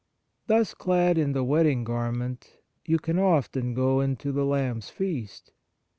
Thus clad in the wedding garment, you can often go into the Lamb s feast.